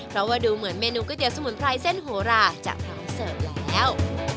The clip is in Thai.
เพราะว่าดูเหมือนเมนูก๋วสมุนไพรเส้นโหราจะพร้อมเสิร์ฟแล้ว